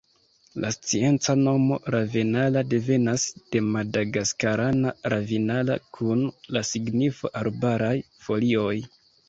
La scienca nomo "Ravenala" devenas de madagaskarana "ravinala" kun la signifo "arbaraj folioj".